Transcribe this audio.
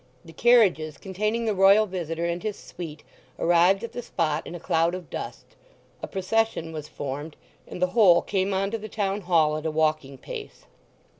The carriages containing the Royal visitor and his suite arrived at the spot in a cloud of dust, a procession was formed, and the whole came on to the Town Hall at a walking pace.